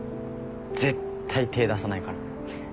絶対手出さないから。